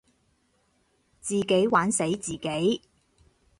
自己玩死自己